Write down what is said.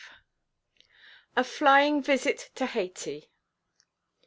_ A FLYING VISIT TO HAYTI.